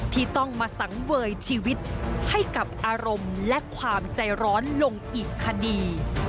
ที่ต้องมาสังเวยชีวิตให้กับอารมณ์และความใจร้อนลงอีกคดี